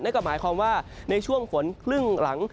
นั่นก็หมายความว่าในช่วงฝนครึ่งหลัง